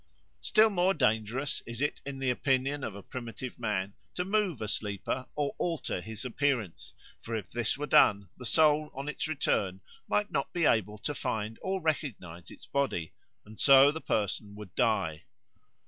Still more dangerous is it in the opinion of primitive man to move a sleeper or alter his appearance, for if this were done the soul on its return might not be able to find or recognise its body, and so the person would die.